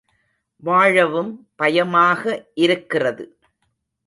வாழவும் பயமாக இருக்கிறது.